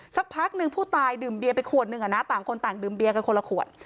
สักพักหนึ่งผู้ตายดื่มเบียร์ไปขวดหนึ่งต่างคนต่างดื่มเบียร์กันคนละขวด